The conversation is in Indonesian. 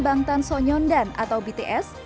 bangtan sonyeondan atau bts